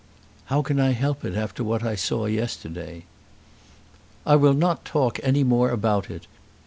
"How can I help it after what I saw yesterday?" "I will not talk any more about it.